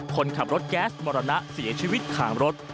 คนขับรถแก๊สมรณะเสียชีวิตขามรถ